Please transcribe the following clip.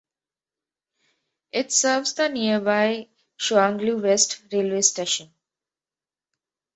It serves the nearby Shuangliu West railway station.